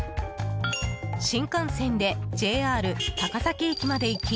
新幹線でＪＲ高崎駅まで行き